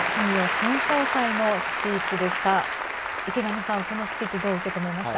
新総裁のスピーチでした。